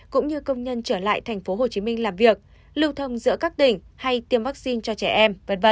cũng như công nhân trở lại tp hcm làm việc lưu thông giữa các đỉnh hay tiêm vaccine cho trẻ